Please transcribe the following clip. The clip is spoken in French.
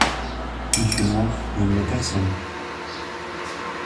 Il fait noir, je ne vois personne.